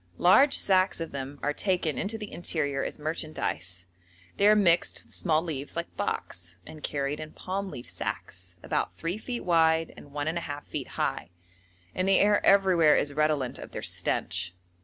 Large sacks of them are taken into the interior as merchandise; they are mixed with small leaves like box, and carried in palm leaf sacks, about 3 feet wide and 1½ feet high, and the air everywhere is redolent of their stench.